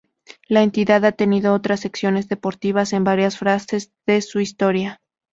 La entidad ha tenido otras secciones deportivas en varias fases de su historia.